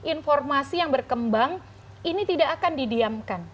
informasi yang berkembang ini tidak akan didiamkan